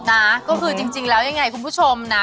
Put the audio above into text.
นะก็คือจริงแล้วยังไงคุณผู้ชมนะ